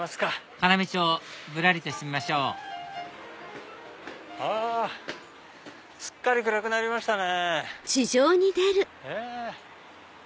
要町ぶらりとしてみましょうあすっかり暗くなりましたね。